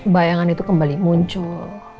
bayangan itu kembali muncul